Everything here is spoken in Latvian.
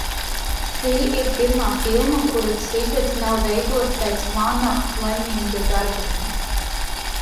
Šī ir pirmā filma, kuras sižets nav veidots pēc Iana Fleminga darbiem.